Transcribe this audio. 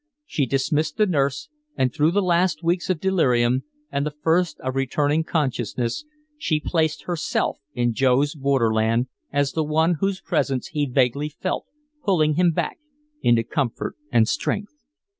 She dismissed the nurse, and through the last weeks of delirium and the first of returning consciousness she placed herself in Joe's borderland as the one whose presence he vaguely felt pulling him back into comfort and strength.